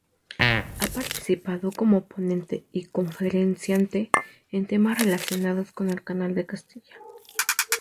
Ha participado como ponente y conferenciante en temas relacionados con el Canal de Castilla.